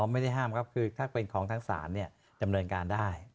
อ๋อไม่ได้ห้ามครับคือถ้าเป็นของทั้งศาลเนี่ยจำนวนการได้